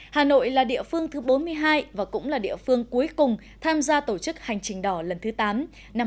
hà nội là địa phương thứ bốn mươi hai và cũng là địa phương cuối cùng tham gia tổ chức hành trình đỏ lần thứ tám năm hai nghìn hai mươi